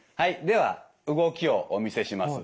では動きをお見せします。